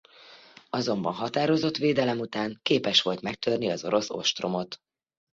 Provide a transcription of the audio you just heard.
Azonban határozott védelem után képes volt megtörni az orosz ostromot.